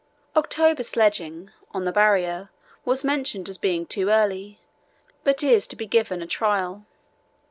October sledging (on the Barrier) was mentioned as being too early, but is to be given a trial.